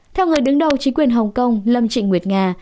theo người đứng đầu chính quyền hồng kông lâm trịnh nguyệt nga